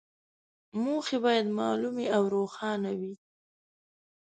موخې باید معلومې او روښانه وي.